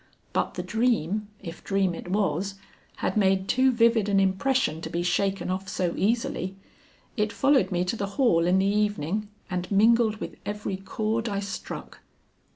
But the dream, if dream it was, had made too vivid an impression to be shaken off so easily. It followed me to the hall in the evening and mingled with every chord I struck.